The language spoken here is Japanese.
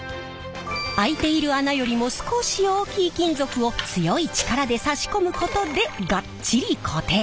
開いている穴よりも少し大きい金属を強い力で差し込むことでガッチリ固定。